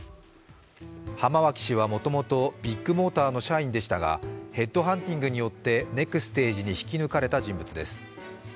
浜脇氏はもともとビッグモーターの社員でしたが、ヘッドハンティングによって、ネクステージに引き抜かれた人物です。